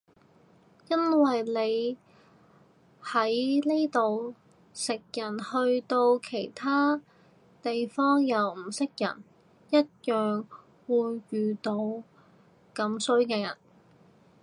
因為你喺呢度食人去到其他地方又唔識人一樣會遇到咁衰嘅人